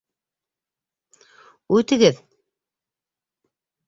Үтегеҙ.